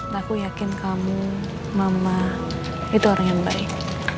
dan aku yakin kamu mama itu orang yang baik